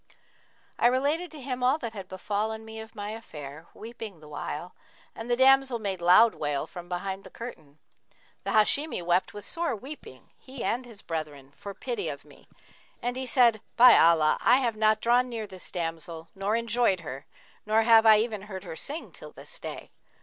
I related to him all that had befallen me of my affair, weeping the while, and the damsel made loud wail from behind the curtain. The Hashimi wept with sore weeping, he and his brethren, for pity of me, and he said, 'By Allah, I have not drawn near this damsel nor enjoyed her, nor have I even heard her sing till this day!